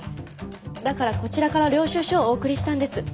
だからこちらから領収書をお送りしたんです。